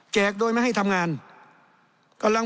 แจกโดยไม่ให้ทำงาน